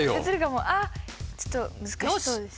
あっちょっと難しそうですね。